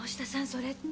それって。